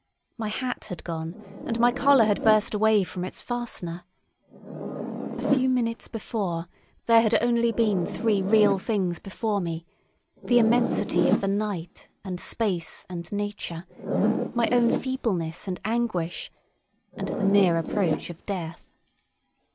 My hat had gone, and my collar had burst away from its fastener. A few minutes before, there had only been three real things before me—the immensity of the night and space and nature, my own feebleness and anguish, and the near approach of death.